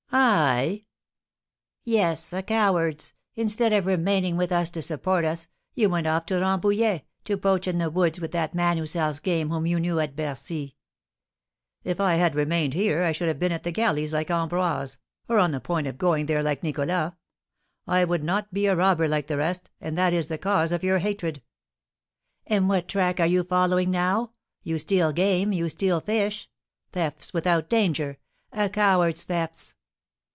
"I?" "Yes, a coward's! Instead of remaining with us to support us, you went off to Rambouillet, to poach in the woods with that man who sells game whom you knew at Bercy." "If I had remained here, I should have been at the galleys like Ambroise, or on the point of going there like Nicholas. I would not be a robber like the rest, and that is the cause of your hatred." "And what track are you following now? You steal game, you steal fish, thefts without danger, a coward's thefts!"